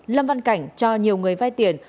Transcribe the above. lâm văn cảnh cho nhiều người vay tiền